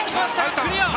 クリア！